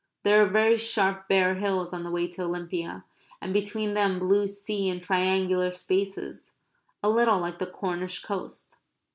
There are very sharp bare hills on the way to Olympia; and between them blue sea in triangular spaces. A little like the Cornish coast.